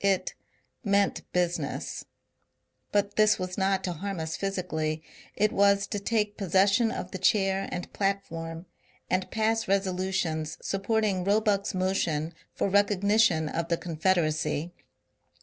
It ^^ meant business," but this was not to harm us physically, — it was to take possession of the chair and platform and pass resolutions supporting Roe buck's motion for recognition of the Confederacy.